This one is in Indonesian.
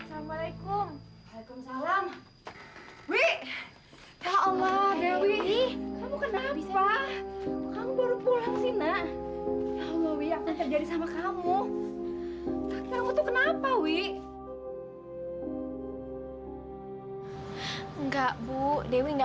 sampai jumpa di video selanjutnya